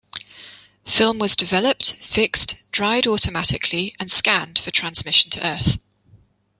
Film was developed, fixed, dried automatically, and scanned for transmission to Earth.